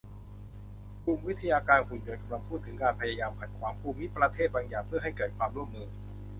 กลุ่มวิทยาการหุ่นยนต์กำลังพูดถึงการพยายามขัดขวางภูมิประเทศบางอย่างเพื่อให้เกิดความร่วมมือ